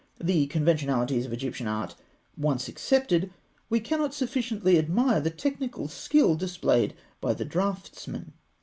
The conventionalities of Egyptian art once accepted, we cannot sufficiently admire the technical skill displayed by the draughtsman.